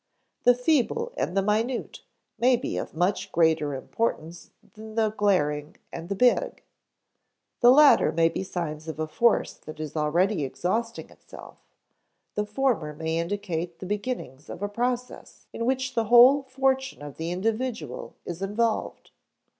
The feeble and the minute may be of much greater importance than the glaring and the big. The latter may be signs of a force that is already exhausting itself; the former may indicate the beginnings of a process in which the whole fortune of the individual is involved.